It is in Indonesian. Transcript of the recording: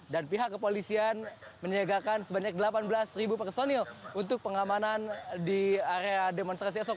dan pihak kepolisian menyegarkan sebanyak delapan belas ribu personil untuk pengamanan di area demonstrasi esok